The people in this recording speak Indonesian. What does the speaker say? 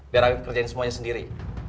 biar aku kerjain semuanya sendiri